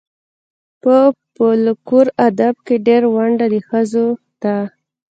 په فولکور ادب کې ډېره ونډه د ښځو ده.